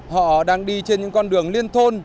họ đang đi trên những con đường liên thôn